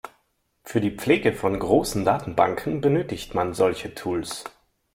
Für die Pflege von großen Datenbanken benötigt man solche Tools.